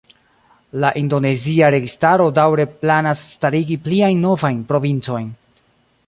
La indonezia registaro daŭre planas starigi pliajn novajn provincojn.